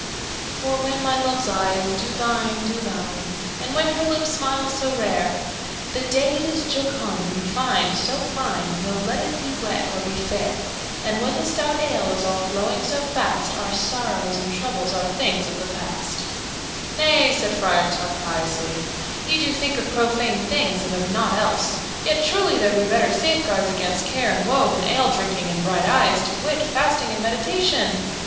"_For when my love's eyes do thine, do thine, And when her lips smile so rare, The day it is jocund and fine, so fine, Though let it be wet or be fair And when the stout ale is all flowing so fast, Our sorrows and troubles are things of the past_." "Nay," said Friar Tuck piously, "ye do think of profane things and of nought else; yet, truly, there be better safeguards against care and woe than ale drinking and bright eyes, to wit, fasting and meditation.